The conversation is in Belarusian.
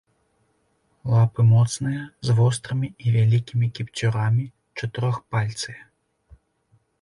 Лапы моцныя, з вострымі і вялікімі кіпцюрамі, чатырохпальцыя.